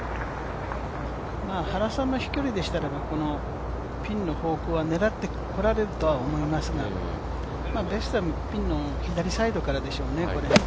原さんの飛距離でしたら、このピンの方向は狙ってこられるとは思いますがベストはピンの左サイドからでしょうね。